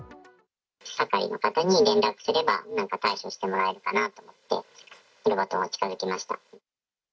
係の方に連絡すれば、なんか、対処してもらえるかなと思って、ロボットに近づきました。